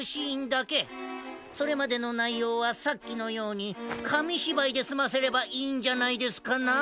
それまでのないようはさっきのようにかみしばいですませればいいんじゃないですかな？